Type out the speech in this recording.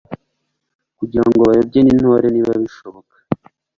kugira ngo bayobye n'intore niba bishoboka.